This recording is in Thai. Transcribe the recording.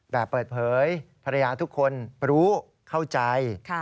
แบบเปิดเผยภรรยาทุกคนรู้เข้าใจ